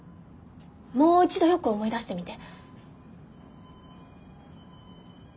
もう一度よく思い出してみて。